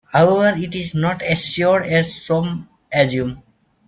However it is not assured as some assume.